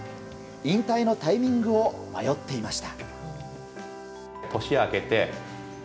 引退のタイミングを迷っていました。